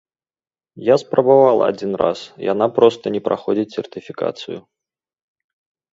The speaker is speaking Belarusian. Я спрабавала адзін раз, яна проста не праходзіць сертыфікацыю.